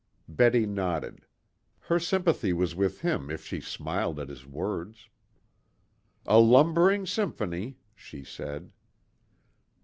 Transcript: Betty nodded. Her sympathy was with him if she smiled at his words. "A lumbering symphony," she said.